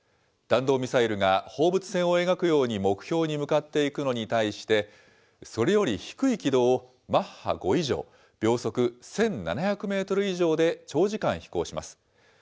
弾道ミサイルが、放物線を描くように目標に向かっていくのに対して、それより低い軌道をマッハ５以上、秒速１７００メートル以上で長時間飛行します。